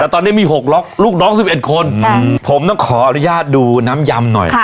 แต่ตอนนี้มีหกล็อกลูกน้องสิบเอ็ดคนค่ะผมต้องขออนุญาตดูน้ำยำหน่อยค่ะ